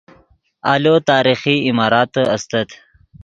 آلو تاریخی عماراتے استت